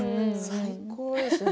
最高ですよ。